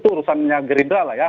itu urusannya gerindra lah ya